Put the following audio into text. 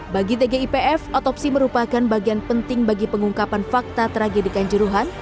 bagi tgipf otopsi merupakan bagian penting bagi pengungkapan fakta tragedi kanjuruhan